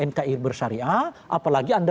nki bersyariah apalagi anda